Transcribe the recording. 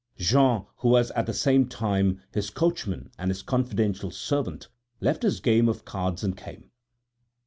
Jean, who was at the same time his coachman and his confidential servant, left his game of cards and came.